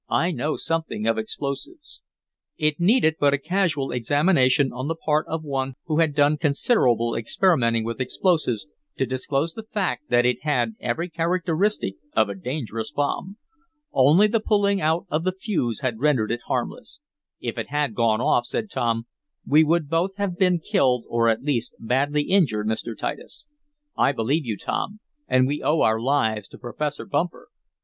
"I know something of explosives." It needed but a casual examination on the part of one who had done considerable experimenting with explosives to disclose the fact that it had every characteristic of a dangerous bomb. Only the pulling out of the fuse had rendered it harmless. "If it had gone off," said Tom, "we would both have been killed, or, at least, badly injured, Mr. Titus." "I believe you, Tom. And we owe our lives to Professor Bumper."